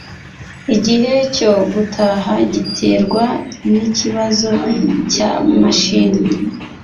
Igihe cyo gutaha giterwa nikibazo cya mashini